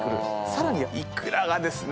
さらにいくらがですね